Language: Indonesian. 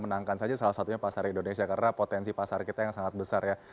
menangkan saja salah satunya pasar indonesia karena potensi pasar kita yang sangat besar ya